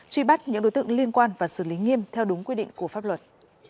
truy bắt những đối tượng liên quan và xử lý nghiêm theo đúng quy định của pháp luật